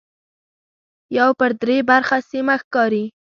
یو پر درې برخه سیمه ښکاري.